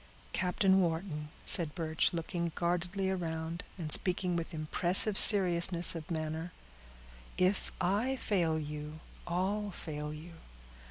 "Captain Wharton," said Birch, looking guardedly around and speaking with impressive seriousness of manner, "if I fail you, all fail you.